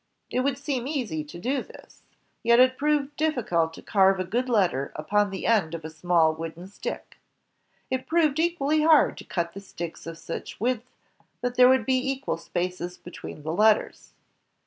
It would seem easy to do this. Yet it proved difficult to carve a good letter upon the end of a small wooden stick. It proved equally hard to cut the sticks of such width that there would be equal spaces between the letters.